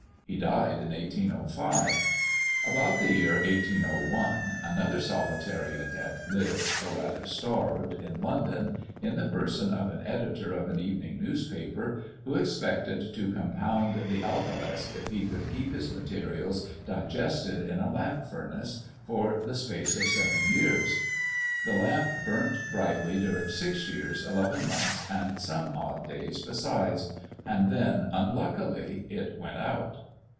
He died in 1805. About the year 1801, another solitary adept lived, or rather starved, in London, in the person of an editor of an evening newspaper, who expected to compound the alkahest, if he could keep his materials digested in a lamp furnace for the space of seven years. The lamp burnt brightly during six years eleven months, and some odd days besides; and then, unluckily, it went out.